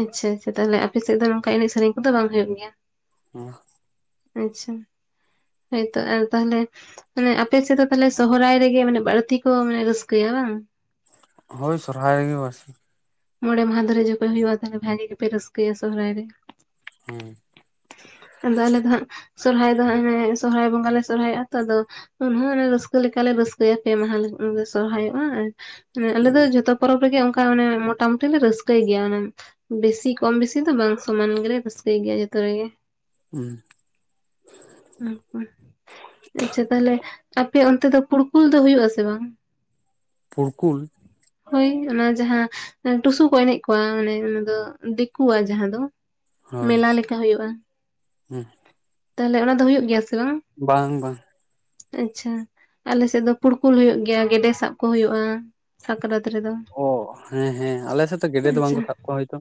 Speaker 2: ᱟᱪᱪᱷᱟ ᱟᱪᱪᱷᱟ ᱛᱟᱦᱞᱮ ᱟᱯᱮ ᱥᱮᱫ ᱫᱚ ᱱᱚᱝᱠᱟ ᱮᱱᱮᱡ ᱥᱮᱨᱮᱧ ᱠᱚ ᱫᱚ ᱵᱟᱝ ᱦᱳᱭᱳᱜ ᱜᱮᱭᱟ ᱾
Speaker 1: ᱦᱮᱸ
Speaker 2: ᱟᱪᱪᱷᱟ ᱦᱳᱭᱛᱚ ᱟᱨ ᱛᱟᱦᱞᱮ ᱢᱟᱱᱮ ᱟᱯᱮ ᱥᱮᱫ ᱫᱚ ᱛᱟᱦᱚᱞᱮ ᱥᱚᱦᱚᱨᱟᱭ ᱨᱮᱜᱮ ᱢᱟᱱᱮ ᱵᱟᱹᱲᱛᱤ ᱠᱚ ᱢᱟᱱᱮ ᱨᱟᱹᱥᱠᱟᱹᱭᱟ ᱵᱟᱝ?
Speaker 1: ᱦᱳᱭ ᱥᱚᱨᱦᱟᱭ ᱨᱮᱜᱮ ᱵᱟᱥ
Speaker 2: ᱢᱚᱬᱮ ᱢᱟᱦᱟ ᱫᱷᱚᱨᱮ ᱡᱚᱠᱷᱚᱡ ᱦᱩᱭᱩᱜᱼᱟ ᱛᱟᱦᱚᱞᱮ ᱵᱷᱟᱜᱤ ᱜᱮᱯᱮ ᱨᱟᱹᱥᱠᱟᱹᱭᱟ ᱥᱚᱦᱚᱨᱟᱭ ᱨᱮ ᱾
Speaker 1: [inaudible]
Speaker 2: ᱟᱫᱚ ᱟᱞᱮ ᱫᱚ ᱦᱟᱸᱜ ᱥᱚᱨᱦᱟᱭ ᱫᱚ ᱦᱟᱸᱜ ᱥᱚᱨᱦᱟᱭ ᱵᱚᱸᱜᱟ ᱞᱮ ᱥᱚᱨᱦᱟᱭᱚᱜᱼᱟ ᱛᱚ ᱟᱫᱚ ᱩᱱᱦᱚᱸ ᱚᱱᱮ ᱨᱟᱹᱥᱠᱟᱹ ᱞᱮᱠᱟᱞᱮ ᱨᱟᱹᱥᱠᱟᱹᱭᱟ ᱯᱮ ᱢᱟᱦᱟ ᱞᱮ ᱥᱚᱨᱦᱟᱭᱚᱜᱼᱟ ᱾ ᱟᱞᱮ ᱫᱚ ᱡᱷᱚᱛᱚ ᱯᱚᱨᱚᱵᱽ ᱨᱮᱜᱮ ᱚᱱᱠᱟ ᱢᱟᱱᱮ ᱢᱚᱴᱟ-ᱢᱩᱴᱤ ᱞᱮ ᱨᱟᱹᱥᱠᱟᱹᱭ ᱜᱮᱭᱟ ᱢᱟᱱᱮ ᱵᱮᱥᱤ ᱠᱚᱢ ᱵᱮᱥᱤ ᱫᱚ ᱵᱟᱝ ᱥᱚᱢᱟᱱ ᱜᱮᱞᱮ ᱨᱟᱹᱥᱠᱟᱹᱭ ᱜᱮᱭᱟ ᱡᱚᱛᱚ ᱨᱮᱜᱮ ᱾
Speaker 1: ᱦᱩᱸ
Speaker 2: [unintelligible] ᱟᱪᱪᱷᱟ ᱛᱟᱦᱞᱮ ᱟᱯᱮ ᱚᱱᱛᱮ ᱫᱚ ᱠᱩᱲᱠᱩᱞ ᱫᱚ ᱦᱩᱭᱩᱜᱼᱟ ᱥᱮ ᱵᱟᱝ?
Speaker 1: ᱯᱩᱲᱠᱩᱞ!
Speaker 2: ᱦᱳᱭ ᱚᱱᱟ ᱡᱟᱦᱟᱸ ᱴᱩᱥᱩ ᱠᱚ ᱮᱱᱮᱡ ᱠᱚᱣᱟ ᱢᱟᱱᱮ ᱚᱱᱟ ᱫᱚ ᱫᱤᱠᱩᱣᱟᱜ ᱡᱟᱦᱟᱸ ᱫᱚ
Speaker 1: ᱦᱳᱭ
Speaker 2: ᱢᱮᱞᱟ ᱞᱮᱠᱟ ᱦᱳᱭᱳᱜᱼᱟ
Speaker 1: ᱦᱩᱸ
Speaker 2: ᱾ ᱛᱟᱦᱞᱮ ᱚᱱᱟ ᱫᱚ ᱦᱩᱭᱩᱜ ᱜᱮᱭᱟ ᱥᱮ ᱵᱟᱝ?
Speaker 1: ᱵᱟᱝ ᱵᱟᱝ
Speaker 2: ᱟᱪᱪᱷᱟ ᱟᱞᱮᱥᱮᱫ ᱫᱚ ᱯᱩᱲᱠᱩᱞ ᱦᱩᱭᱩᱜ ᱜᱮᱭᱟ ᱜᱮᱰᱮ ᱥᱟᱵ ᱠᱚ ᱦᱳᱭᱳᱜᱼᱟ ᱾ ᱥᱟᱠᱨᱟᱛ ᱨᱮᱫᱚ
Speaker 1: ᱚ ᱦᱮᱸ ᱦᱮᱸ ᱟᱞᱮᱥᱮᱫ ᱫᱚ ᱜᱮᱰᱮ ᱫᱚ
Speaker 2: ᱟᱪᱪᱷᱟ
Speaker 1: ᱵᱟᱝᱠᱚ ᱥᱟᱵ ᱠᱚᱣᱟ ᱦᱳᱭᱛᱚ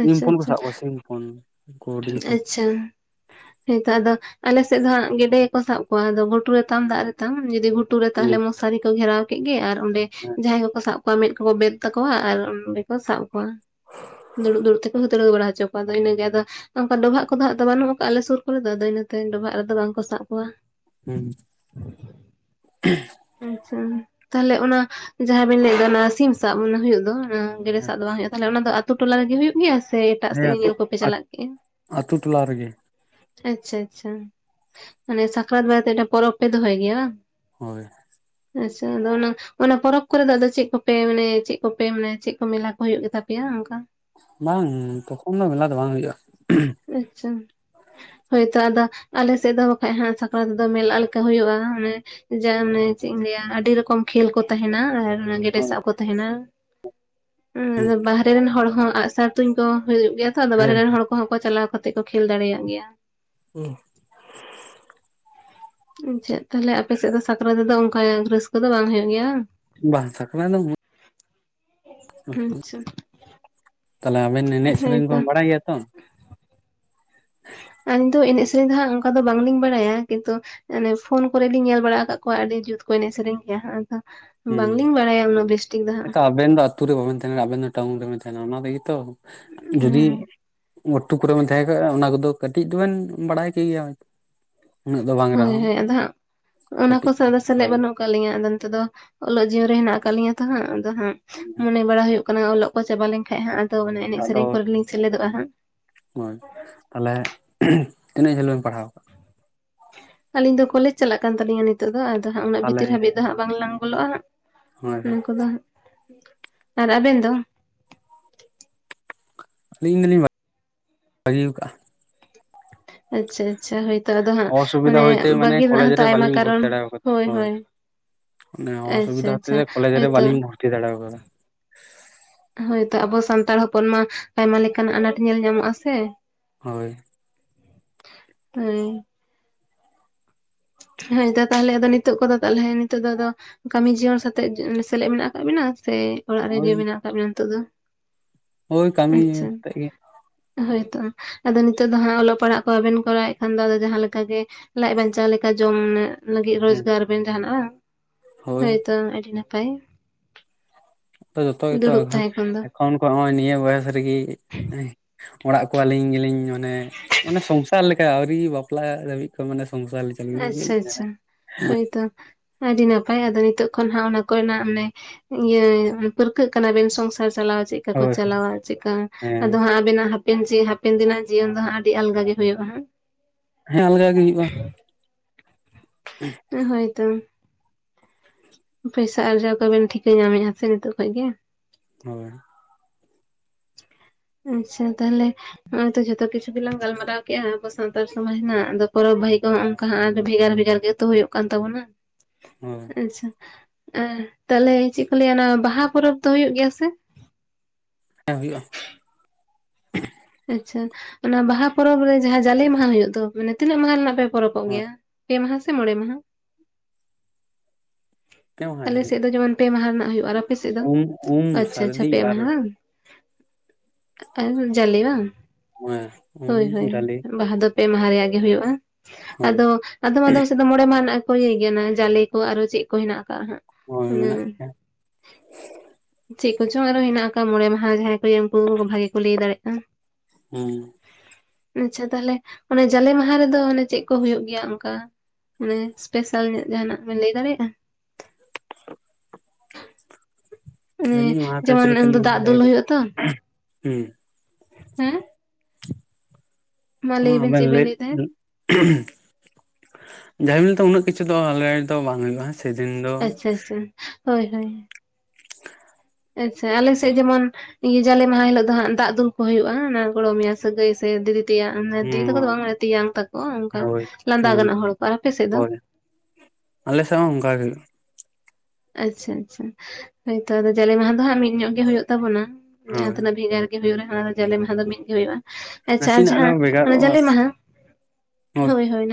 Speaker 1: ᱥᱤᱢ
Speaker 2: ᱟᱪᱪᱷᱟ
Speaker 1: ᱦᱚᱯᱚᱱ ᱠᱚ
Speaker 2: ᱟᱪᱪᱷᱟ
Speaker 1: ᱥᱟᱵ ᱠᱚᱣᱟ ᱥᱤ [unintelligible]
Speaker 2: ᱟᱪᱪᱷᱟ ᱦᱮᱸᱛᱚ ᱟᱫᱚ ᱟᱞᱮᱥᱮᱫ ᱫᱚ ᱦᱟᱸᱜ ᱜᱮᱰᱮ ᱜᱮᱠᱚ ᱥᱟᱵ ᱠᱚᱣᱟ ᱟᱫᱚ ᱜᱷᱩᱴᱩ ᱨᱮᱛᱟᱢ ᱫᱟᱜ ᱨᱮᱛᱟᱢ ᱡᱩᱫᱤ ᱜᱷᱩᱴᱩ ᱨᱮ ᱛᱟᱦᱞᱮ
Speaker 1: ᱦᱩᱸ
Speaker 2: ᱢᱚᱸᱥᱟᱨᱤ ᱠᱚ ᱜᱷᱮᱨᱟᱣ ᱠᱮᱫ ᱜᱮ ᱟᱨ ᱚᱸᱰᱮ
Speaker 1: ᱦᱮᱸ
Speaker 2: ᱡᱟᱦᱟᱸᱭ ᱠᱚᱠᱚ ᱥᱟᱵ ᱠᱚᱣᱟ ᱢᱮᱫ ᱠᱚᱠᱚ ᱵᱮᱫ ᱛᱟᱠᱚᱣᱟ ᱟᱨ ᱚᱸᱰᱮ ᱠᱚ ᱥᱟᱵ ᱠᱚᱣᱟ᱾ ᱫᱩᱲᱩᱵ ᱫᱩᱲᱩᱵ ᱛᱮᱠᱚ ᱦᱟᱹᱛᱲᱟᱹᱣ ᱵᱟᱲᱟ ᱦᱚᱪᱚ ᱠᱚᱣᱟ ᱟᱫᱚ ᱤᱱᱟᱹᱜᱮ ᱟᱫᱚ ᱚᱱᱠᱟ ᱰᱚᱵᱷᱟᱜ ᱠᱚᱫᱚ ᱦᱟᱸᱜ ᱵᱟᱹᱱᱩᱜ ᱠᱟᱜᱼᱟ ᱟᱞᱮ ᱥᱩᱨ ᱠᱚᱨᱮ ᱫᱚ ᱟᱫᱚ ᱤᱱᱟᱹᱛᱮ ᱰᱚᱵᱷᱟᱜ ᱨᱮᱫᱚ ᱵᱟᱝ ᱠᱚ ᱥᱟᱵ ᱠᱚᱣᱟ
Speaker 1: [unintelligible]
Speaker 2: ᱟᱪᱪᱷᱟ ᱛᱟᱦᱞᱮ ᱚᱱᱟ ᱡᱟᱦᱟᱸ ᱵᱤᱱ ᱞᱟᱹᱭᱫᱟ ᱚᱱᱟ ᱥᱤᱢ ᱥᱟᱵ ᱚᱱᱟ ᱦᱩᱭᱩᱜ ᱫᱚ ᱦᱩᱸ ᱜᱮᱰᱮ ᱥᱟᱵ ᱫᱚ ᱵᱟᱝ ᱦᱩᱭᱩᱜᱼᱟ ᱛᱟᱦᱚᱞᱮ ᱚᱱᱟ ᱫᱚ ᱟᱛᱳ ᱴᱚᱞᱟ ᱨᱮᱜᱮ ᱦᱩᱭᱩᱜ ᱜᱮᱭᱟ ᱥᱮ ᱮᱴᱟᱜ ᱥᱮᱫ ᱧᱮᱧᱮᱞ ᱠᱚᱯᱮ ᱪᱟᱞᱟᱜ ᱜᱮᱭᱟ?
Speaker 1: ᱟᱛᱩ ᱴᱚᱞᱟ ᱨᱮᱜᱮ
Speaker 2: ᱟᱪᱪᱷᱟ ᱟᱪᱪᱷᱟ ᱢᱟᱱᱮ ᱥᱟᱠᱨᱟᱛ ᱵᱟᱨᱮᱛᱮ ᱢᱤᱫᱴᱟᱱ ᱯᱚᱨᱚᱵᱽ ᱯᱮ ᱫᱚᱦᱚᱭ ᱜᱮᱭᱟ ᱵᱟᱝ?
Speaker 1: ᱦᱳᱭ
Speaker 2: ᱟᱪᱪᱷᱟ ᱟᱫᱚ‌ ᱚᱱᱟ ᱚᱱᱟ ᱯᱚᱨᱚᱵᱽ ᱠᱚᱨᱮ ᱫᱚ ᱟᱫᱚ, ᱪᱮᱫ ᱠᱚᱯᱮ ᱢᱟᱱᱮ ᱪᱮᱫ ᱠᱚᱯᱮ ᱢᱟᱱᱮ ᱪᱮᱫ ᱠᱚ ᱢᱮᱞᱟ ᱠᱚ ᱦᱳᱭᱳᱜ ᱜᱮᱛᱟᱯᱮᱭᱟ ᱚᱱᱠᱟ?
Speaker 1: ᱵᱟᱝ, ᱛᱚᱠᱷᱚᱱ ᱫᱚ ᱢᱮᱞᱟ ᱫᱚ ᱵᱟᱝ ᱦᱳᱭᱳᱜᱼᱟ᱾
Speaker 2: ᱟᱪᱪᱷᱟ᱾ ᱦᱳᱭᱛᱚ ᱟᱫᱚ ᱟᱞᱮ ᱥᱮᱫ ᱫᱚ ᱵᱟᱠᱷᱟᱡ ᱦᱟᱸᱜ ᱥᱟᱠᱨᱟᱛ ᱫᱚ ᱢᱮᱞᱟ ᱞᱮᱠᱟ ᱦᱳᱭᱳᱜᱼᱟ ᱢᱟᱱᱮ ᱡᱟ ᱢᱟᱱᱮ ᱪᱮᱫ ᱤᱧ ᱞᱟᱹᱭᱟ ᱟᱹᱰᱤ ᱨᱚᱠᱚᱢ ᱠᱷᱮᱞ ᱠᱚ ᱛᱟᱦᱮᱱᱟ ᱟᱨ ᱚᱱᱟ ᱜᱮᱰᱮ ᱥᱟᱵ ᱠᱚ ᱛᱟᱦᱮᱱᱟ, ᱩ ᱟᱫᱚ ᱵᱟᱦᱟᱨᱮ ᱨᱮᱱ ᱦᱚᱲ ᱦᱚᱸ ᱟᱸᱜᱼᱥᱟᱨ ᱛᱩᱧ ᱠᱚ ᱦᱩᱭᱩᱜ ᱜᱮᱭᱟ ᱛᱚ, ᱟᱫᱚ ᱵᱟᱦᱟᱨᱮ
Speaker 1: ᱦᱮᱸ
Speaker 2: ᱨᱮᱱ ᱦᱚᱲ ᱠᱚᱦᱚᱸ ᱠᱚ ᱪᱟᱞᱟᱣ ᱠᱟᱛᱮ ᱠᱚ ᱠᱷᱮᱞ ᱫᱟᱲᱮᱭᱟᱜ ᱜᱮᱭᱟ᱾
Speaker 1: [inaudible]
Speaker 2: ᱪᱮᱫ ᱛᱟᱦᱚᱞᱮ ᱟᱯᱮ ᱥᱮᱫ ᱫᱚ ᱥᱟᱠᱨᱟᱛ ᱨᱮᱫᱚ ᱚᱱᱠᱟ ᱨᱟᱹᱥᱠᱟᱹ ᱫᱚ ᱵᱟᱝ ᱦᱳᱭᱳᱜ ᱜᱮᱭᱟ ᱵᱟᱝ?
Speaker 1: ᱵᱟᱜ ᱥᱟᱠᱨᱟᱛ ᱵᱩᱛ
Speaker 2: ᱟᱪᱪᱷᱟ᱾
Speaker 1: ᱛᱟᱦᱚᱞᱮ ᱟᱵᱮᱱ ᱮᱱᱮᱡ ᱥᱮᱨᱮᱧ ᱠᱚ
Speaker 2: ᱦᱮᱸᱛᱚ
Speaker 1: ᱵᱟᱲᱟᱭ ᱜᱮᱭᱟ ᱛᱚ?
Speaker 2: ᱟᱹᱞᱤᱧ ᱫᱚ ᱮᱱᱮᱡ ᱥᱮᱨᱮᱧ ᱫᱚ ᱦᱟᱸᱜ ᱚᱱᱠᱟ ᱫᱚ ᱵᱟᱝᱞᱤᱧ ᱵᱟᱲᱟᱭᱟ ᱠᱤᱱᱛᱩ ᱚᱱᱮ ᱯᱷᱳᱱ ᱠᱚᱨᱮ ᱞᱤᱧ ᱧᱮᱞ ᱵᱟᱲᱟ ᱠᱟᱜ ᱠᱚᱣᱟ ᱟᱹᱰᱤ ᱡᱩᱛ ᱠᱚ ᱮᱱᱮᱡ ᱥᱮᱨᱮᱧ ᱜᱮᱭᱟ᱾ ᱟᱫᱚ
Speaker 1: ᱦᱮᱸ
Speaker 2: ᱵᱟᱝᱞᱤᱧ ᱵᱟᱲᱟᱭᱟ ᱩᱱᱟᱹᱜ ᱵᱮᱥ ᱴᱷᱤᱠ ᱫᱚ ᱦᱟᱸᱜ᱾
Speaker 1: ᱱᱤᱛᱚᱜ ᱟᱵᱮᱱ ᱫᱚ ᱟᱛᱩ ᱨᱮ ᱵᱟᱵᱮᱱ ᱛᱟᱦᱮᱱᱟ, ᱟᱵᱮᱱ ᱫᱚ ᱴᱟᱣᱩᱱ ᱨᱮᱵᱮᱱ ᱛᱟᱦᱮᱱᱟ ᱚᱱᱟ ᱛᱮᱜᱮ ᱛᱚ ᱡᱩᱫᱤ ᱢᱩᱴᱩ ᱠᱚᱨᱮ ᱵᱮᱱ ᱛᱟᱦᱮᱸ ᱠᱚᱜᱼᱟ ᱚᱱᱟ ᱠᱚᱫᱚ ᱠᱟᱹᱴᱤᱡ ᱫᱚ ᱵᱮᱱ ᱵᱟᱲᱟᱭ ᱠᱮᱜᱮᱭᱟ᱾
Speaker 2: ᱦᱳᱭ ᱦᱳᱭ ᱟᱫᱚ ᱦᱟᱸᱜ ᱚᱱᱟ ᱠᱚ
Speaker 1: ᱠᱟᱹᱴᱤᱡ
Speaker 2: ᱥᱟᱣ
Speaker 1: ᱛᱷᱚᱲᱟ
Speaker 2: ᱥᱮᱞᱮᱫ
Speaker 1: ᱜᱟᱱ
Speaker 2: ᱵᱟᱹᱱᱩᱜ᱾ ᱠᱟᱜ ᱞᱤᱧᱟ ᱟᱫᱚ ᱱᱤᱛᱳᱜ ᱫᱚ ᱚᱞᱚᱜ ᱡᱤᱭᱚᱱ ᱨᱮ ᱦᱮᱱᱟᱜ ᱠᱟᱫ ᱞᱤᱧᱟ ᱛᱚ ᱦᱟᱸᱜ, ᱟᱫᱚ ᱦᱟᱸᱜ ᱢᱚᱱᱮ ᱵᱟᱲᱟ ᱦᱩᱭᱩᱜ ᱠᱟᱱᱟ ᱚᱞ ᱠᱚ ᱪᱟᱵᱟ ᱞᱮᱱᱠᱷᱟᱡ ᱦᱟᱸᱜ ᱟᱫᱚ ᱢᱟᱱᱮ ᱮᱱᱮᱡ
Speaker 1: ᱮᱴᱟᱜ ᱫᱚ
Speaker 2: ᱥᱮᱨᱮᱧ ᱠᱚᱨᱮ ᱞᱤᱧ ᱥᱮᱞᱮᱫᱚᱜᱼᱟ ᱦᱟᱸᱜ᱾
Speaker 1: ᱦᱳᱭ ᱛᱟᱦᱚᱞᱮ ᱛᱤᱱᱟᱹᱜ ᱡᱷᱟᱹᱞ ᱵᱤᱱ ᱯᱟᱲᱦᱟᱣ ᱠᱟᱜ?
Speaker 2: ᱟᱞᱤᱧ ᱫᱚ ᱠᱚᱞᱮᱡᱽ ᱪᱟᱞᱟᱜ ᱠᱟᱱ ᱛᱟᱞᱤᱧᱟ ᱱᱤᱛᱚᱜ ᱫᱚ, ᱟᱫᱚ ᱦᱚᱜ ᱩᱱᱟᱹᱜ
Speaker 1: ᱛᱟᱦᱚᱞᱮ
Speaker 2: ᱵᱷᱤᱛᱤᱨ ᱦᱟᱹᱵᱤᱡ ᱫᱚ ᱦᱟᱸᱜ ᱵᱟᱝ ᱞᱟᱝ ᱵᱚᱞᱚᱜᱼᱟ᱾ ᱦᱟᱸᱜ
Speaker 1: ᱦᱳᱭ
Speaker 2: ᱚᱱᱟ
Speaker 1: ᱦᱳᱭ
Speaker 2: ᱠᱚᱫᱚ ᱟᱨ ᱟᱵᱮᱱ ᱫᱚ?
Speaker 1: ᱟᱹᱞᱤᱧ ᱫᱚ ᱞᱤᱧ ᱵᱟᱜᱤ ᱠᱟᱜᱼᱟ
Speaker 2: ᱟᱪᱪᱷᱟ ᱟᱪᱪᱷᱟ ᱦᱳᱭ᱾
Speaker 1: ᱚᱥᱩᱵᱤᱫᱷᱟ ᱦᱳᱭ ᱛᱮ ᱢᱟᱱᱮ ᱠᱚᱞᱮᱡᱽ ᱨᱮ ᱵᱷᱟᱞᱤᱧ ᱵᱷᱚᱨᱛᱤ ᱫᱟᱲᱮ ᱠᱟᱣ ᱫᱟ, ᱦᱳᱭ ᱢᱟᱱᱮ
Speaker 2: ᱟᱪᱪᱷᱟ
Speaker 1: ᱚᱥᱩᱵᱤᱫᱷᱟ
Speaker 2: ᱟᱪᱪᱷᱟ
Speaker 1: ᱦᱚᱛᱮ ᱠᱚᱞᱮᱡᱽ ᱨᱮ
Speaker 2: ᱦᱳᱭᱛᱚ
Speaker 1: ᱵᱟᱹᱞᱤᱧ ᱵᱷᱚᱨᱛᱤ ᱫᱟᱲᱮᱣᱟ ᱠᱟᱫᱟ
Speaker 2: ᱦᱳᱭ ᱛᱚ ᱟᱵᱚ ᱥᱟᱱᱛᱟᱲ ᱦᱚᱯᱚᱱ ᱢᱟ ᱟᱭᱢᱟ ᱞᱮᱠᱟ ᱱᱟᱜ ᱟᱱᱟᱴ ᱧᱮᱞ ᱧᱟᱢᱚᱜ-ᱟ ᱥᱮ
Speaker 1: ᱦᱳᱭ
Speaker 2: ᱟᱹᱭ ᱦᱳᱭ ᱛᱟᱦᱚᱞᱮ ᱟᱫᱚ ᱱᱤᱛᱳ ᱠᱚᱫᱚ ᱛᱟᱦᱚᱞᱮ ᱱᱤᱛᱳᱜ ᱫᱚ ᱟᱫᱚ ᱠᱟᱹᱢᱤ ᱡᱤᱭᱚᱱ ᱥᱟᱛᱮᱜ ᱥᱮᱞᱮᱫ ᱢᱮᱱᱟᱜ ᱟᱠᱟᱫ ᱵᱤᱱᱟ ᱥᱮ ᱚᱲᱟᱜ ᱨᱮ ᱡᱮᱣ ᱢᱮᱱᱟᱜ ᱟᱠᱟᱫ ᱵᱤᱱᱟ ᱱᱤᱛᱚᱜ ᱫᱚ?
Speaker 1: ᱦᱳᱭ ᱠᱟᱹᱢᱤ ᱟᱛᱮᱫ ᱜᱮ
Speaker 2: ᱦᱳᱭ ᱛᱚ ᱟᱫᱚ ᱱᱤᱛᱚᱜ ᱫᱚ ᱦᱟᱜ ᱚᱞᱚᱜ ᱯᱟᱲᱦᱟᱜ ᱠᱚ ᱵᱟᱵᱮᱱ ᱠᱚᱨᱟᱣᱮᱫ ᱠᱷᱟᱱ ᱫᱚ ᱡᱟᱦᱟᱸᱟᱜᱮ ᱞᱟᱡ ᱵᱟᱧᱪᱟᱣ ᱞᱮᱠᱟ ᱠᱟ ᱡᱚᱢ ᱞᱟᱹᱜᱤᱫ
Speaker 1: ᱦᱩᱸ
Speaker 2: ᱨᱚᱡᱽᱜᱟᱨ ᱵᱮᱱ ᱡᱟᱦᱱᱟᱜ ᱵᱟᱝ, ᱦᱳᱭ ᱛᱚ ᱟᱹᱰᱤ ᱱᱟᱯᱟᱭ
Speaker 1: ᱛᱚ ᱡᱚᱛᱚ ᱜᱮᱛᱚ
Speaker 2: ᱫᱩᱲᱩᱵ
Speaker 1: ᱟᱠᱷᱟᱱ
Speaker 2: ᱛᱟᱦᱮᱸ ᱠᱷᱚᱱ ᱫᱚ
Speaker 1: ᱯᱷᱳᱱ ᱠᱚ ᱦᱚᱜᱼᱚᱭ ᱱᱤᱭᱟᱹ ᱵᱚᱭᱮᱥ ᱨᱮᱜᱤ ᱚᱲᱟᱜ ᱠᱚ ᱟᱹᱞᱤᱧ ᱜᱮᱞᱤᱧ ᱢᱟᱱᱮ ᱢᱟᱱᱮ ᱥᱚᱝᱥᱟᱨ ᱞᱮᱠᱟ ᱟᱹᱣᱨᱤ ᱵᱟᱯᱞᱟ ᱫᱷᱟᱹᱵᱤᱡ ᱠᱷᱚᱱ ᱢᱟᱱᱮ ᱥᱚᱝᱥᱟᱨ ᱞᱮᱠᱟ᱾
Speaker 2: ᱟᱪᱪᱷᱟ ᱟᱪᱪᱷᱟ ᱦᱳᱭ ᱛᱚ, ᱟᱹᱰᱤ ᱱᱟᱯᱟᱭ ᱟᱫᱚ ᱱᱤᱛᱚᱜ ᱠᱷᱚᱱ ᱦᱟᱸᱜ ᱚᱱᱟ ᱠᱚᱨᱮᱱᱟᱜ ᱟᱱᱮ᱾ ᱤᱭᱟᱹ ᱯᱟᱹᱨᱠᱟᱹᱜ ᱠᱟᱱᱟ ᱵᱮᱱ ᱥᱚᱝᱥᱟᱨ ᱪᱟᱞᱟᱣ ᱪᱮᱫ? ᱪᱮᱜᱠᱟ ᱠᱚ
Speaker 1: ᱦᱳᱭ
Speaker 2: ᱪᱟᱞᱟᱣᱟ ᱪᱮᱜᱠᱟ
Speaker 1: ᱦᱮᱸ
Speaker 2: ᱟᱫᱚ ᱦᱟᱸᱜ ᱟᱵᱤᱱᱟᱜ ᱦᱟᱯ ᱤᱧ ᱪᱟᱭᱟ ᱦᱟᱯᱮᱱ ᱫᱤᱱᱟᱜ ᱡᱤᱭᱚᱱ ᱫᱚ ᱦᱟᱸᱜ ᱟᱹᱰᱤ ᱟᱞᱜᱟ ᱜᱮ ᱦᱳᱭᱳᱜᱼᱟ ᱦᱟᱸᱜ᱾
Speaker 1: ᱦᱮᱸ ᱟᱞᱜᱟ ᱜᱮ ᱦᱩᱭᱩᱜᱼᱟ [unintelligible]
Speaker 2: ᱦᱳᱭᱛᱚ ᱯᱚᱭᱥᱟ ᱟᱨᱡᱟᱣ ᱠᱚᱵᱮᱱ ᱴᱷᱤᱠᱟᱹ ᱧᱟᱢᱮᱫᱼᱟ ᱥᱮ ᱱᱤᱛᱚᱜ ᱠᱷᱚᱱ ᱜᱮ
Speaker 1: ᱦᱳᱭ
Speaker 2: ᱟᱪᱪᱷᱟ ᱛᱟᱦᱚᱞᱮ ᱱᱚᱜᱼᱚᱭ ᱛᱚ ᱡᱚᱛᱚ ᱠᱤᱪᱷᱩ ᱞ ᱜᱟᱞᱢᱟᱣ ᱠᱮᱫᱼᱟ ᱟᱵᱚ ᱥᱟᱱᱛ ᱥᱚᱢᱟᱡᱽ ᱨᱮᱱᱟᱜ ᱟᱫᱚ ᱯᱚᱨᱚᱵᱽ ᱵᱷᱟᱹᱦ ᱠᱚᱜ ᱱᱚᱠᱟ ᱵᱷᱮᱜᱟᱨ ᱵᱷᱮᱜᱟᱨ ᱜᱮ ᱦᱩᱭᱩᱜ ᱠᱟᱱ ᱛᱟᱵᱚᱱᱟ
Speaker 1: ᱦᱳᱭ
Speaker 2: ᱟᱪᱪᱷᱟ ᱛᱟᱞᱦᱮ ᱪᱮᱫ ᱠᱚ ᱞᱟᱹᱭᱟ ᱚᱱᱟ ᱵᱟᱦᱟ ᱯᱚᱨᱚᱵᱽ ᱫᱚ ᱦᱩᱭᱩᱜ ᱜᱮᱭᱟ ᱥᱮ
Speaker 1: ᱦᱮᱸ ᱦᱩᱭᱩᱜᱼᱟ
Speaker 2: ᱟᱪᱪᱷᱟ ᱚᱱᱟ ᱵᱟᱦᱟ ᱯᱚᱨᱚᱵᱽ ᱨᱮ ᱡᱟᱦᱟᱸ ᱡᱟᱞᱮ ᱢᱟᱦᱟ ᱦᱩᱭᱩᱜ ᱫᱚ ᱢᱟᱱᱮ ᱛᱤᱱᱟᱹ ᱢᱟᱦᱟ ᱨᱮᱱᱟᱜ ᱯᱮ ᱯᱚᱨᱚᱯᱚᱜ
Speaker 1: ᱦᱳᱭ
Speaker 2: ᱜᱮᱭᱟ ᱯᱮ ᱢᱟᱦᱟ ᱥᱮ ᱢᱚᱬᱮ ᱢᱟᱦᱟ
Speaker 1: ᱯᱮ ᱢᱟᱦᱟ ᱡᱟᱹᱱᱤᱡ
Speaker 2: ᱟᱞᱮᱮᱥᱮᱫ ᱫᱚ ᱡᱮᱢᱚᱱ ᱯᱮ ᱢᱟᱦᱟ ᱨᱮᱱᱟᱜ ᱦᱩᱭᱩᱜᱼᱟ ᱟᱨ ᱟᱯᱮ ᱥᱮᱫ ᱫᱚ
Speaker 1: ᱩᱢ ᱩᱢ
Speaker 2: ᱟᱪᱪᱷᱟ ᱟᱪᱪᱷᱟ
Speaker 1: ᱥᱟᱹᱨᱫᱤ
Speaker 2: ᱯᱮ
Speaker 1: ᱟᱨ
Speaker 2: ᱢᱟᱦᱟ ᱵᱟᱝ ᱟᱨ ᱡᱟᱞᱮ ᱵᱟᱝ
Speaker 1: ᱦᱮᱸ ᱩᱢ
Speaker 2: ᱦᱳᱭ ᱦᱳᱭ
Speaker 1: ᱡᱟᱞᱮ
Speaker 2: ᱵᱟᱦᱟᱫᱚ ᱯᱮ ᱢᱟᱦᱟ ᱨᱮᱭᱟᱜ ᱜᱮ ᱦᱩᱭᱩᱜᱼᱟ
Speaker 1: ᱦᱳᱭ
Speaker 2: ᱟᱫᱚ ᱟᱫᱚᱢ ᱟᱫᱚᱢ ᱥᱮᱫ ᱫᱚ ᱢᱚᱬᱮ ᱢᱟᱦᱱᱟᱜ ᱠᱚ ᱤᱭᱟᱹᱭ ᱜᱮᱭᱟ ᱡᱟᱞᱮ ᱠᱚ ᱟᱨᱚ ᱪᱮᱫ ᱠᱚ ᱦᱮᱱᱟᱜ ᱟᱠᱟᱫᱼᱟ ᱦᱜ
Speaker 1: ᱦᱳᱭ ᱢᱮᱱᱟᱜ
Speaker 2: ᱢᱟᱱᱮ
Speaker 1: ᱜᱮᱭᱟ
Speaker 2: ᱪᱮᱫ ᱠᱚ ᱪᱚᱝ ᱟᱨᱚ ᱦᱮᱱᱟᱜ ᱟᱠ ᱟᱠᱟᱣᱟ ᱢᱚᱬᱮ ᱢᱟᱦᱟᱸ ᱡᱟᱦᱟᱸᱭ ᱠᱚ ᱩᱱᱠᱩ ᱵᱷᱟᱜᱮ ᱠᱚ ᱞᱟᱹᱭ ᱫᱟᱲᱮᱭᱟᱜᱼᱟ
Speaker 1: ᱦᱮᱸ
Speaker 2: ᱟᱪᱪᱷᱟ ᱛᱟᱦᱞᱮ ᱚᱱᱮ ᱡᱟᱞᱮ ᱢᱟᱦᱟ ᱨᱮᱫᱚ ᱚᱱᱮ ᱪᱮᱫ ᱠᱚ ᱦᱩᱭᱩᱜ ᱜᱮᱭᱟ ᱚᱱᱠᱟ ᱢᱟᱱᱮ ᱥᱯᱮᱥᱟᱞ ᱧᱚᱜ ᱡᱟᱦᱟᱱᱟᱜ ᱵᱮᱱ ᱞᱟᱹᱭ ᱫᱟᱲᱮᱭᱟᱜᱼᱟ
Speaker 1: ᱱᱤᱧ
Speaker 2: ᱚᱱᱮ
Speaker 1: ᱢᱟᱛ ᱪᱤᱞ
Speaker 2: ᱡᱮᱢᱚᱱ
Speaker 1: ᱠᱟᱞᱤ ᱦᱩᱸ
Speaker 2: ᱫᱟᱜ ᱫᱩᱞ ᱦᱩᱭᱩᱜ ᱟᱛᱚ ᱦᱮᱸ ᱢᱟ
Speaker 1: ᱦᱚ
Speaker 2: ᱞᱟᱹᱭ ᱵᱮᱱ
Speaker 1: ᱟᱵᱮᱱ
Speaker 2: ᱪᱮᱫ ᱵᱮᱱ ᱞᱟᱹᱭᱮᱫ ᱛᱟᱦᱮᱸᱫ
Speaker 1: ᱡᱟᱦᱮᱢᱤᱞ ᱫᱚ ᱩᱱᱟᱹᱜ ᱠᱤᱪᱷᱩ ᱫᱚ ᱟᱞᱮ ᱫᱚ ᱵᱟᱝ ᱦᱩᱭᱩᱜᱼᱟ ᱥᱮᱫᱤᱱ ᱫᱚ
Speaker 2: ᱟᱪᱪᱷᱟ ᱟᱪᱪᱷᱟ ᱦᱳᱭ ᱦᱳᱭ
Speaker 1: [inaudible]
Speaker 2: ᱟᱪᱪᱷᱟ ᱟᱞᱮ ᱥᱮᱫ ᱡᱮᱢᱚᱱ ᱡᱟᱞᱮ ᱢᱟᱦᱟ ᱦᱤᱞᱳᱜ ᱫᱚ ᱦᱜ ᱫᱟᱜ ᱫᱩᱞ ᱠᱚ ᱦᱩᱭᱩᱜᱼᱟ ᱚᱱᱟ ᱜᱚᱲᱚ ᱢᱮᱭᱟ ᱥᱟᱹᱜᱟᱹᱭ ᱥᱮ ᱫᱤᱫᱤ ᱫᱤᱭᱮ
Speaker 1: ᱦᱳᱭ
Speaker 2: ᱛᱟᱠᱚ ᱫᱚ ᱵᱟᱝ ᱛᱮᱭᱟᱝ ᱛᱟᱠᱚᱣᱟ ᱚᱱᱠᱟ
Speaker 1: ᱦᱳᱭ
Speaker 2: ᱞᱟᱸᱫᱟ ᱜᱟᱱᱚᱜ ᱦᱚᱲ ᱠᱚ ᱟᱨ ᱟᱯᱮᱥᱮᱫ ᱫᱚ
Speaker 1: ᱟᱞᱮᱥᱮᱫ ᱦᱚᱸ ᱚᱱᱠᱟᱟᱜ ᱜᱮ ᱦᱩᱭᱩᱜᱼᱟ
Speaker 2: ᱟᱪᱪᱷᱟ ᱟᱪᱪᱷᱟ ᱦᱳᱭᱛᱚ ᱟᱫᱚ ᱡᱟᱞᱮ ᱢᱟᱦᱟ ᱫᱚ ᱦᱟᱸᱜ ᱢᱤᱫ ᱧᱚᱜ ᱜᱮ ᱦᱩᱭᱩᱜ ᱛᱟᱵᱚᱱᱟ ᱡᱟᱦᱟᱸ
Speaker 1: ᱦᱳᱭ
Speaker 2: ᱛᱤᱱᱟᱹᱜ ᱵᱷᱮᱜᱟᱨ ᱜᱮ ᱦᱩᱭᱩᱜᱼᱟ ᱚᱱᱟ ᱡᱟᱞᱮ ᱢᱟᱦᱟ ᱢᱤᱫ ᱜᱮ ᱦᱩᱭᱩᱜᱼᱟ ᱟᱪᱪᱷᱟ ᱟᱨ
Speaker 1: ᱱᱟᱥᱮᱱᱟᱜ ᱫᱚ
Speaker 2: ᱡᱟᱦᱟᱸ ᱚᱱᱟ
Speaker 1: ᱵᱷᱮᱜᱟᱨᱚᱜᱼᱟ
Speaker 2: ᱡᱟᱞᱮ ᱢᱟᱦᱟ ᱦᱳᱭ ᱦᱳᱭ